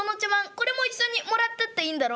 これも一緒にもらってっていいんだろ？」。